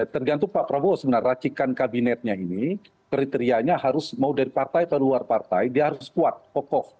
tergantung pak prabowo sebenarnya racikan kabinetnya ini kriterianya harus mau dari partai ke luar partai dia harus kuat kokoh